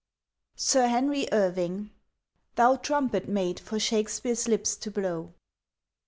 SIR HENRY IRVING "Thou trumpet made for Shakespeare's lips to blow!"